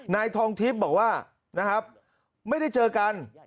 นายทองทิพย์บอกว่านะครับไม่ได้เจอกัน